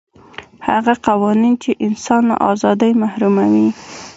هغه قوانین چې انسان له ازادۍ محروموي.